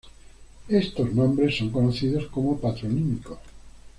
Estos nombres son conocidos como patronímicos.